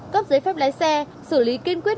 cấp giấy phép lái xe xử lý kiên quyết